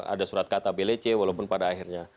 ada surat kata blc walaupun pada akhirnya